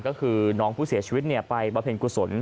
ก็คือน้องผู้เสียชีวิตไปบำเพ็ญกุศล